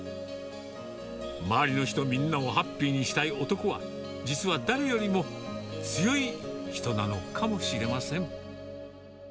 周りの人みんなをハッピーにしたい男は、実は誰よりも、強い人なのかもしれません。